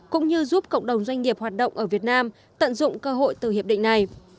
cũng như giúp cộng đồng doanh nghiệp hoạt động ở việt nam tận dụng cơ hội từ hiệp định này